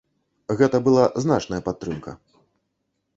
Гэта была значная падтрымка.